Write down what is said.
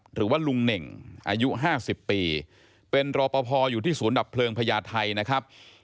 หรือว่าลุงเน่งอายุ๕๐ปีเป็นรอปภอยู่ที่ศูนย์ดับเพลิงพญาไทยนะครับ